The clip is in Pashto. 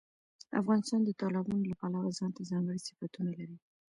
افغانستان د تالابونو له پلوه ځانته ځانګړي صفتونه لري.